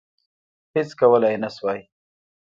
هیڅ کولای نه سوای.